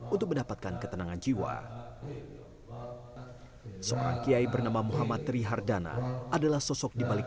untuk mendapatkan ketenangan jiwa seorang kiayi bernama muhammad trihardana adalah sosok di balik